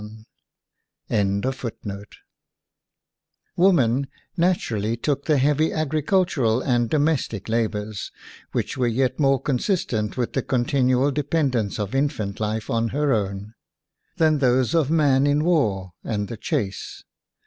1 Woman naturally took the heavy agri cultural and domestic labors, which were yet more consistent with the con tinual dependence of infant life on her own, than those of man in war and the chase.